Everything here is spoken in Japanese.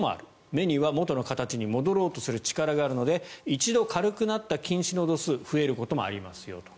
目には元の形に戻ろうとする力があるので一度軽くなった近視の度数増えることもありますよと。